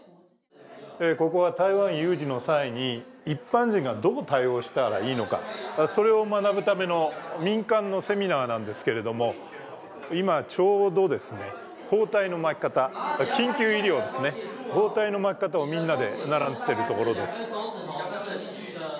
ここは台湾有事の際に、一般人がどう対応したらいいのか、それを学ぶための民間のセミナーなんですけれども、今ちょうど、包帯の巻き方、緊急医療ですね、包帯の巻き方をみんなで習っているところです。